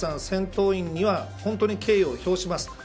戦闘員には本当に敬意を表します。